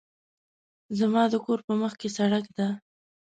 زما د کور په مخکې سړک ده